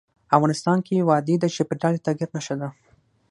افغانستان کې وادي د چاپېریال د تغیر نښه ده.